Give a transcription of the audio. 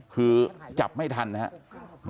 คือจับไม่ทันนะครับ